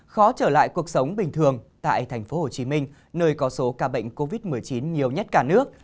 khó trở lại cuộc sống bình thường tại tp hcm nơi có số ca bệnh covid một mươi chín nhiều nhất cả nước